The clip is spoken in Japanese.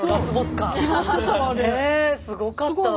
すごかったわね。